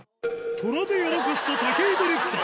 トラでやらかした武井ディレクター。